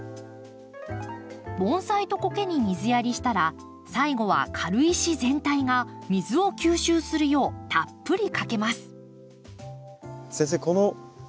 盆栽とコケに水やりしたら最後は軽石全体が水を吸収するようたっぷりかけます。